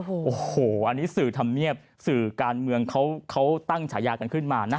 โอ้โหอันนี้สื่อธรรมเนียบสื่อการเมืองเขาตั้งฉายากันขึ้นมานะ